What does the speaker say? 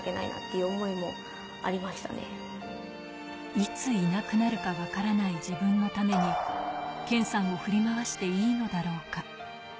いついなくなるかわからない自分のために謙さんを振り回していいのだろうか。